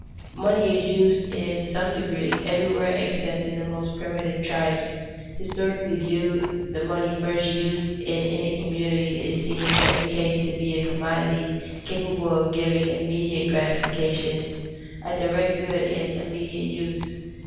Money is used, in some degree, everywhere except in the most primitive tribes. Historically viewed, the money first used in any community is seen in every case to be a commodity capable of giving immediate gratification, a direct good in immediate use.